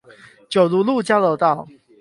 九如路交流道